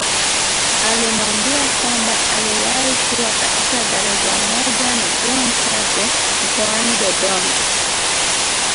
Alimwambia kwamba aliwahi kuwa katika gereza moja na John Carse mkoani Dodoma